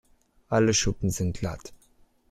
Alle Schuppen sind glatt.